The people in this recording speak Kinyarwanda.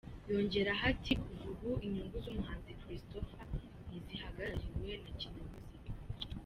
Yongeraho ati “Kuva ubu inyungu z’umuhanzi Christopher ntizigihagarariwe na Kina Music.